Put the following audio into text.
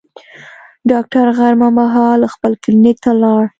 ډاکټر غرمه مهال خپل کلینیک ته لاړ.